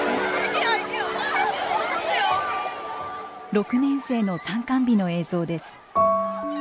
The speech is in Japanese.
６年生の参観日の映像です。